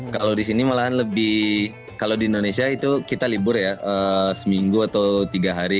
kalau di sini malahan lebih kalau di indonesia itu kita libur ya seminggu atau tiga hari